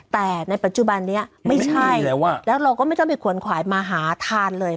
แต่ในปัจจุบันนี้ไม่ใช่แล้วเราก็ไม่ต้องไปขวนขวายมาหาทานเลย